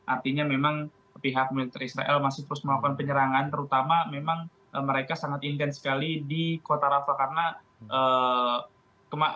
artinya memang pihak militer israel masih terus melakukan penyerangan terutama memang mereka sangat intens sekali di kota rafa karena